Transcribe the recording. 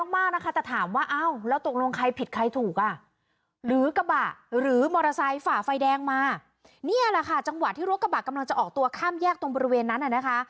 มอเตอร์ไซค์ฝ่าไฟแดงมานี่แหละค่ะจังหวัดที่โรคกระบะกำลังจะออกตัวข้ามแยกตรงบริเวณนั้นน่ะนะคะ